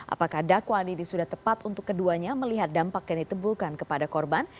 apakah dakwaan ini sudah tepat untuk keduanya melihat dampak yang ditebulkan kepada korban